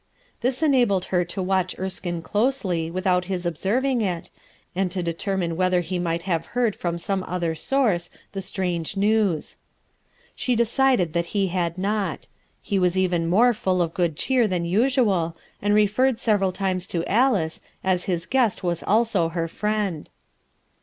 This enabled her to watch Erskine closely, without his observing it, and to determine whether he might have heard from some other source the strange news. She decided that he had not; he was even more full of good cheer than usual, and referred several times to Alice, as his guest was also her friend.